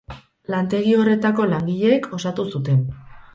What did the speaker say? Lantegi horretako langileek osatu zuten.